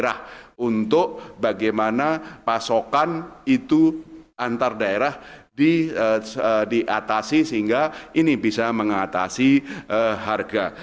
antar daerah diatasi sehingga ini bisa mengatasi harga